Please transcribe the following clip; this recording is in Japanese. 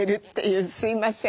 すいません。